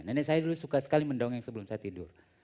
nenek saya dulu suka sekali mendongeng sebelum saya tidur